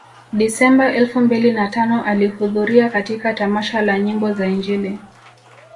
Desemba elfu mbili na tano alihudhuria katika tamasha la nyimbo za Injili